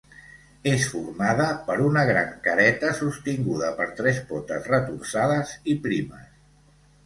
És formada per una gran careta sostinguda per tres potes retorçades i primes.